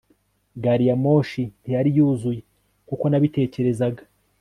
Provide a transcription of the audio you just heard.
gariyamoshi ntiyari yuzuye nk'uko nabitekerezaga